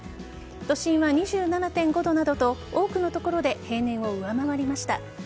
都心は２７．５度などと多くの所で平年を上回りました。